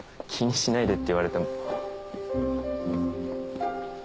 気にしないでって言われても。